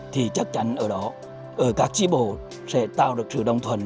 thì chắc chắn ở đó ở các chi bổ sẽ tạo được sự đồng thuần